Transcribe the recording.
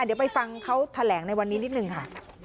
เดี๋ยวไปฟังเขาแถลงในวันนี้นิดนึงค่ะ